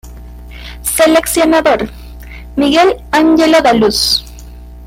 Seleccionador: Miguel Ângelo da Luz.